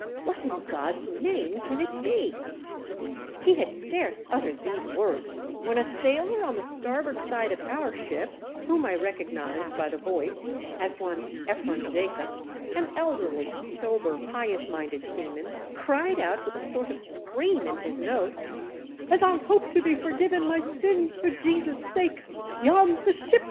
What, in God's name, can it be ?" He had scarce uttered these words when a sailor on the starboard side of our ship, whom I recognised by the voice as one Ephraim Jacobs, an elderly, sober, pious minded sea man, cried out with a sort of scream in his notes— 72 THE DEATH SHIP.